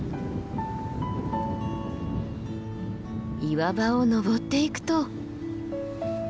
岩場を登っていくと。